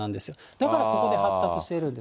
だからここで発達しているんです。